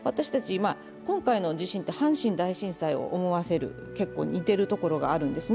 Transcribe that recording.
今回の地震って阪神大震災を思わせる、結構、似てるところがあるんですね